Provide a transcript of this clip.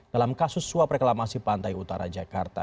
dalam kasus suap reklamasi pantai utara jakarta